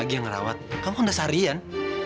ada lagi yang ngerawat kamu kan dasarian